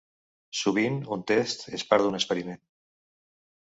Sovint un test és part d’un experiment.